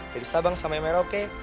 dari sabang sampai merauke